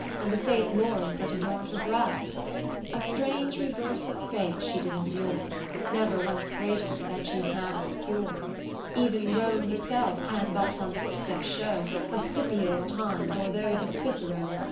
And the safe laurels that adorn'd her brows ? A strange reverse of Fate she did endure. Never once greater, than she's now obscure. Ev'n Rome herself can but some footsteps show Of Scipio's times, or those of Cicero.